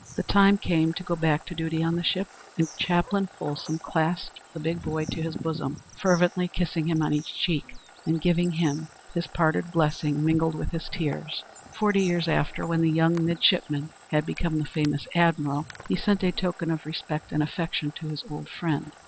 The time came to go back to duty on the ship, and Chaplain Folsom clasped the big boy to his bosom, fervently kissing him on each cheek, and giving him his parting blessing mingled with his tears. Forty years after, when the young midshipman had become the famous Admiral, he sent a token of respect and affection to his old friend.